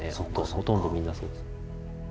ほとんどみんなそうですね。